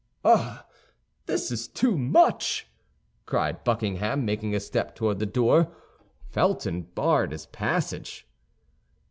"Ah, this is too much!" cried Buckingham, making a step toward the door. Felton barred his passage.